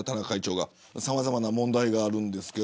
さまざまな問題があります。